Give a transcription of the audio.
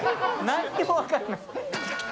何にも分からない。